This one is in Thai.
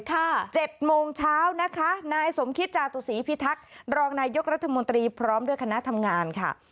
เจ็ดโมงเช้านะคะนายสมคิตจาตุศีพิทักษ์รองนายกรัฐมนตรีพร้อมด้วยคณะทำงานค่ะ